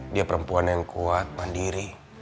dia perempuan yang kuat mandiri